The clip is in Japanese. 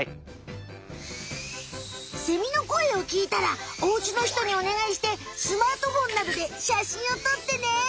セミのこえをきいたらおうちのひとにおねがいしてスマートフォンなどでしゃしんをとってね。